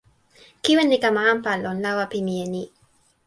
kiwen li kama anpa lon lawa pi mije ni.